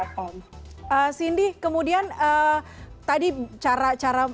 cindy kemudian tadi cara cara